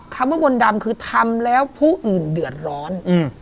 คำว่ามนต์ดำคือทำแล้วผู้อื่นเดือดร้อน